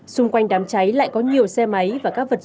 xung quanh đám cháy lại có nhiều xe máy và các đối tượng